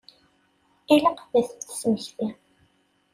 Ilaq ad t-id-tesmekti.